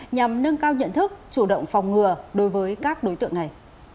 nhằm nâng cao nhận thức chủ động phòng ngừa đối với các đối tượng này